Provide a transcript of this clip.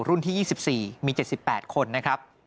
ที่๒๔มี๗๘คนนะครับ